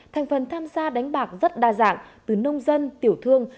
thành phần tham gia đánh bạc rất đa dạng từ nông dân tiểu thương